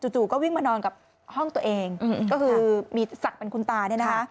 จู่ก็วิ่งมานอนกับห้องตัวเองก็คือสักเป็นคุณตา